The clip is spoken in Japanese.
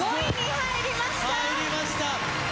入りました！